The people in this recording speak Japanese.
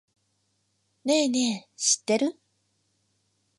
ねぇねぇ、知ってる？